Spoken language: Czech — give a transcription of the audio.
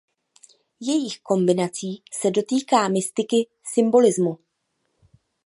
Jejich kombinací se dotýká mystiky symbolismu.